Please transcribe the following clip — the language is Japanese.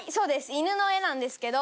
犬の絵なんですけど。